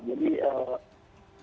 jadi seperti itu